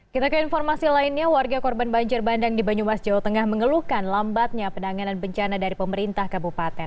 kita ke informasi lainnya warga korban banjir bandang di banyumas jawa tengah mengeluhkan lambatnya penanganan bencana dari pemerintah kabupaten